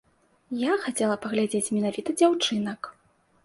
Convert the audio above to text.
Я хацела паглядзець менавіта дзяўчынак.